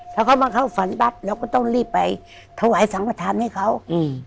ถ้าเขามาเข้าฝันปั๊บเราก็ต้องรีบไปถวายสังขทานให้เขาอืม